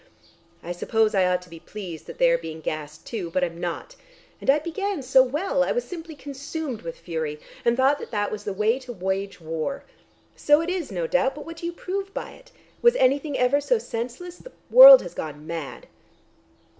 I suppose I ought to be pleased that they are being gassed too. But I'm not. And I began so well. I was simply consumed with fury, and thought that that was the way to wage war. So it is no doubt. But what do you prove by it? Was anything ever so senseless? The world has gone mad."